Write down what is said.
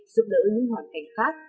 giúp đỡ những hoàn cảnh khác